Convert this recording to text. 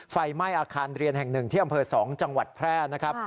ไฟไหม้อาคารเรียนแห่งหนึ่งที่อำเภอ๒จังหวัดแพร่นะครับ